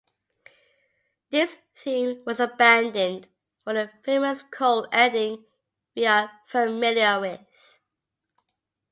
This theme was abandoned, for the famous choral ending we are familiar with.